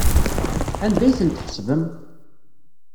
Anda ay tent-tḥesbem?